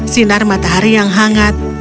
sinar matahari yang hangat